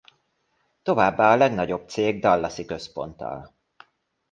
Továbbá a legnagyobb cég dallasi központtal.